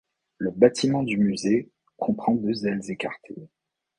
Le bâtiment du musée comprend deux ailes écartées.